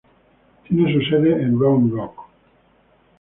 Tiene su sede en Round Rock.